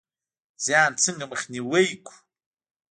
زیان څنګه مخنیوی کړو؟